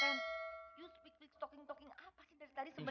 you speaking talking talking apa sih dari tadi sebenarnya